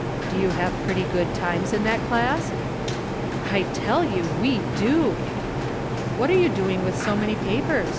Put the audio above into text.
" Do you have pretty good times in that class ?"" I tell you we do !"" What are you doing with so many papers